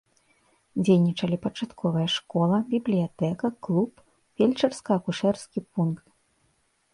Дзейнічалі пачатковая школа, бібліятэка, клуб, фельчарска-акушэрскі пункт.